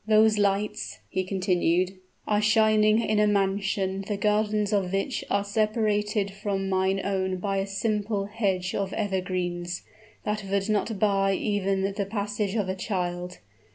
"Those lights," he continued, "are shining in a mansion the gardens of which are separated from my own by a simple hedge of evergreens, that would not bar even the passage of a child.